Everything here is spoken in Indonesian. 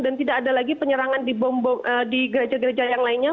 dan tidak ada lagi penyerangan di gereja gereja yang lainnya